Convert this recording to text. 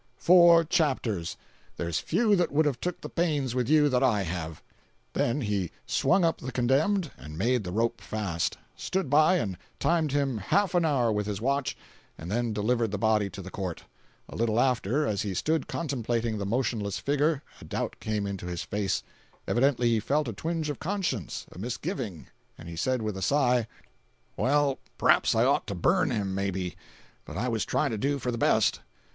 Four chapters. There's few that would have took the pains with you that I have." Then he swung up the condemned, and made the rope fast; stood by and timed him half an hour with his watch, and then delivered the body to the court. A little after, as he stood contemplating the motionless figure, a doubt came into his face; evidently he felt a twinge of conscience—a misgiving—and he said with a sigh: "Well, p'raps I ought to burnt him, maybe. But I was trying to do for the best."